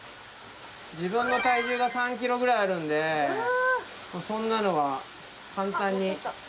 自分の体重が３キロぐらいあるんでそんなのは簡単に。